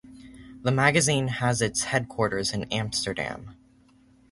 The magazine has its headquarters in Amsterdam.